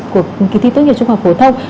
tốt nghiệp trung học phổ thông